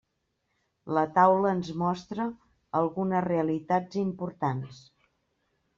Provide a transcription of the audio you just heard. La taula ens mostra algunes realitats importants.